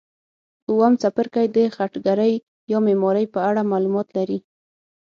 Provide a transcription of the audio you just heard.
اووم څپرکی د خټګرۍ یا معمارۍ په اړه معلومات لري.